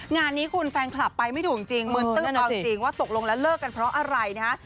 งานนี้คุณแฟนคลับไปไม่ถูกจริงมืนตื้นเอาจริงว่าตกลงแล้วเลิกกันเพราะอะไรนะฮะ